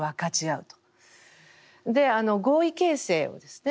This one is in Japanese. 合意形成をですね